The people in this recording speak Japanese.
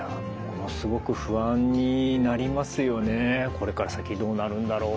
これから先どうなるんだろう？